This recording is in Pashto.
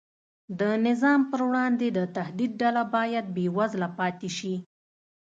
د نظام پر وړاندې د تهدید ډله باید بېوزله پاتې شي.